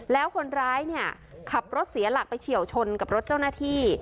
แล้วคนร้ายเนี่ยขับรถเสียหลักไปเฉียวชนกับรถเจ้าหน้าที่